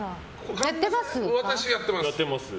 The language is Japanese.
私やってます。